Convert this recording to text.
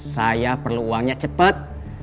saya perlu uangnya cepat